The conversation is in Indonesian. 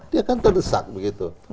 dia kan terdesak begitu